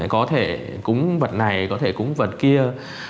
có thể cúng vật này có thể cúng vật kia